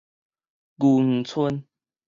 御園村